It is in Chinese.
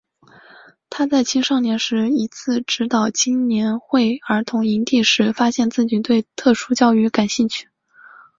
他在青少年时一次指导青年会儿童营地时发现自己对特殊教育感兴趣。